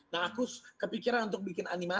nah aku kepikiran untuk bikin animasi